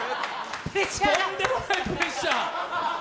とんでもないプレッシャー。